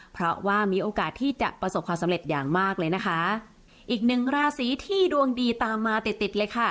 เพราะว่ามีโอกาสที่จะประสบความสำเร็จอย่างมากเลยนะคะอีกหนึ่งราศีที่ดวงดีตามมาติดติดเลยค่ะ